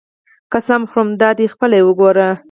قسم خورم دادی خپله وګوره.